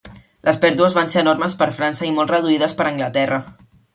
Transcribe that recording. Les pèrdues van ser enormes per França i molt reduïdes per Anglaterra.